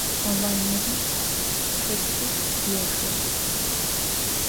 Kombaynêrım kotsır yêxı.